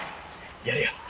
やるよ。